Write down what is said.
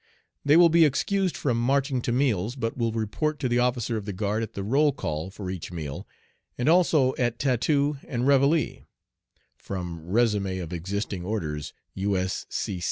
They will be excused from marching to meals, but will report to the officer of the guard at the roll call for each meal, and also at tattoo and reveille." (From Résumé of Existing Orders, U.